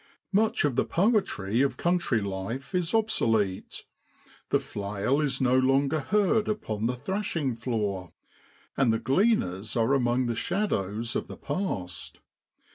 Much of the poetry of country life is obsolete; the flail is no longer heard upon the thrashing floor, and the gleaners are among the shadows of the past.